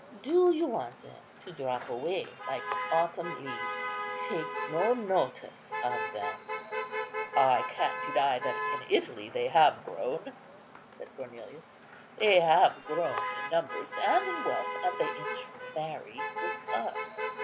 Do you want them to drop away like autumn leaves? Take no notice of them." "I can't deny that in Italy they have grown," said Cornelius; "they have grown in numbers and in wealth, and they intermarry with us.